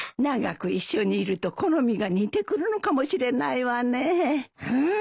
長く一緒にいると好みが似てくるのかもしれないわね。